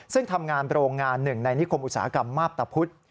ซึ่งทำงานโรงงานหนึ่งในนิคมอุตสาหกรรมมาพตะพุธ